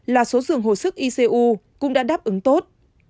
là số dường hồi sức icu cũng đã đáp ứng tốt